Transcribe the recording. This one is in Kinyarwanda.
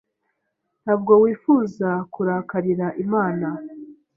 Ntabwo wifuza kurakarira Imana.